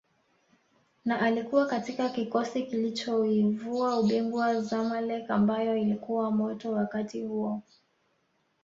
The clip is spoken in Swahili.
na alikuwa katika kikosi kilichoivua ubingwa Zamaleck ambayo ilikuwa moto wakati huo